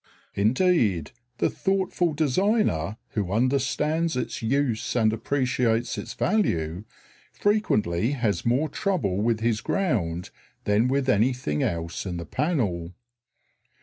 Indeed, the thoughtful designer who understands its use and appreciates its value, frequently has more trouble with his ground than with anything else in the panel.